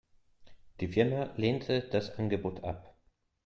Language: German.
Die Firma lehnte das Angebot ab.